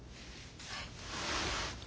はい。